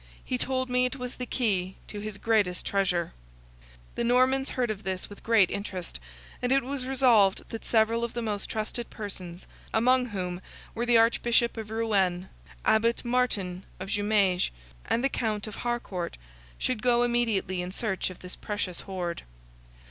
He told me it was the key to his greatest treasure." The Normans heard this with great interest, and it was resolved that several of the most trusted persons, among whom were the Archbishop of Rouen, Abbot Martin of Jumieges, and the Count of Harcourt, should go immediately in search of this precious hoard.